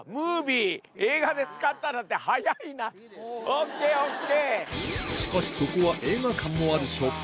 ＯＫＯＫ！